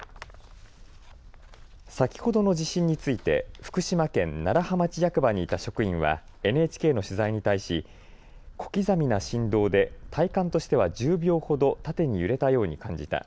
先ほどの地震について福島県楢葉町役場にいた職員はＮＨＫの取材に対し小刻みな振動で体感としては１０秒ほど縦に揺れたように感じた。